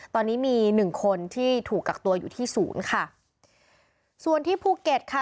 ตอนนี้มีหนึ่งคนที่ถูกกักตัวอยู่ที่ศูนย์ค่ะส่วนที่ภูเก็ตค่ะ